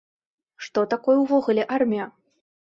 Што такое ўвогуле армія?